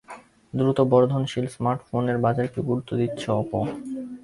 দ্রুত বর্ধনশীল স্মার্টফোনের বাজারকে গুরুত্ব দিচ্ছে অপো।